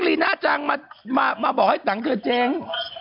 ลีน่าจังมาบอกให้ตังค์เธอเจ๊ง